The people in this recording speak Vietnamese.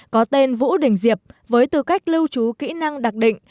có tên vũ đình diệp với tư cách lưu trú kỹ năng đặc định